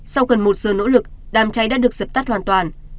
sau gần một giờ nỗ lực đám cháy đã được dập tắt hoàn toàn